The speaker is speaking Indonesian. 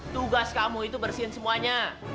tugas kamu itu bersihin semuanya